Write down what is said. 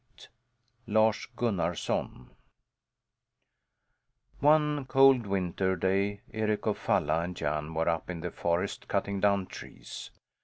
BOOK TWO LARS GUNNARSON One cold winter day Eric of Falla and Jan were up in the forest cutting down trees.